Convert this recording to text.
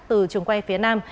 từ trường quay phía nam